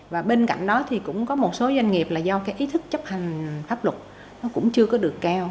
và bên cạnh đó thì cũng có một số doanh nghiệp là do cái ý thức chấp hành pháp luật nó cũng chưa có được cao